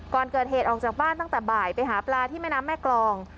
ก่อนเกิดเหตุออกจากบ้านตั้งแต่บ่ายไปหาปลาที่แม่น้ำแม่กรอง